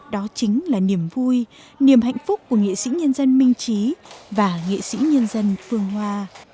đó chính là niềm vui niềm hạnh phúc của nghệ sĩ nhân dân minh trí và nghệ sĩ nhân dân phương hoa